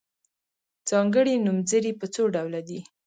ځانګړي نومځري په څو ډوله دي.